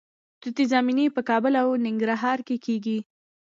توت زمینی په کابل او ننګرهار کې کیږي.